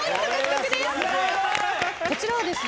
こちらはですね。